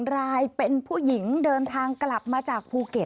รายเป็นผู้หญิงเดินทางกลับมาจากภูเก็ต